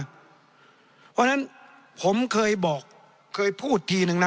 เพราะฉะนั้นผมเคยบอกเคยพูดทีนึงนะ